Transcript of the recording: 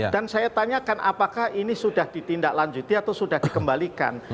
dan saya tanyakan apakah ini sudah ditindaklanjuti atau sudah dikembalikan